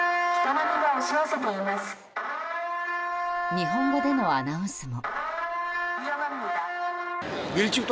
日本語でのアナウンスも。